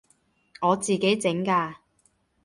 我自己整㗎